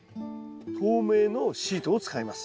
透明のシートを使います。